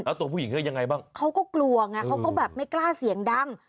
แล้วตัวผู้หญิงเขายังไงบ้างเขาก็กลัวไงเขาก็แบบไม่กล้าเสียงดัง